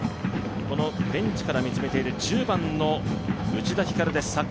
ベンチから見つめている１０番の内田光です。